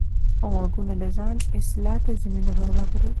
غوږونه د ځان اصلاح ته زمینه برابروي